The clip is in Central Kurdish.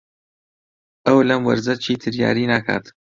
ئەو لەم وەرزە چیتر یاری ناکات.